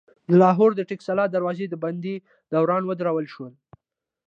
د لاهور د ټکسلي دروازې دباندې دارونه ودرول شول.